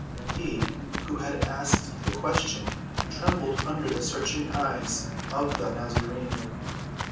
He who had asked the question trembled under the searching eyes of the Nazarene.